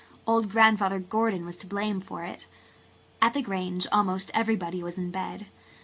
"Old Grandfather Gordon was to blame for it." At the Grange almost everybody was in bed.